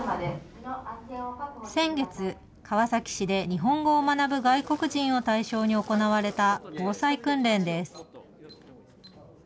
先月、川崎市で日本語を学ぶ外国人を対象に行われた防災訓練です。